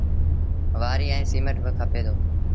وآريٚ ائيٚݩ سيٚمٽ با کپي دو۔